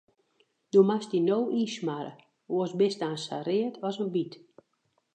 Do moatst dy no ynsmarre, oars bist aanst sa read as in byt.